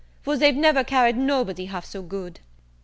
For they've never carried nobody half so good."